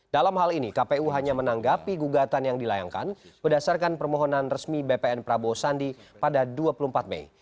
dalam hal ini kpu hanya menanggapi gugatan yang dilayangkan berdasarkan permohonan resmi bpn prabowo sandi pada dua puluh empat mei